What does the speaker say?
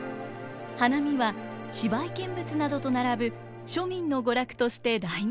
花見は芝居見物などと並ぶ庶民の娯楽として大人気に。